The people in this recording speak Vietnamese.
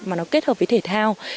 mà nó kết hợp với thể thao